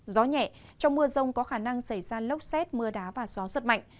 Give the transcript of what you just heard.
gió nhẹ trong mưa rông có khả năng xảy ra lốc xét mưa đá và gió giật mạnh